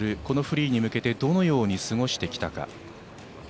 このフリーに向けてどのように過ごしてきたか。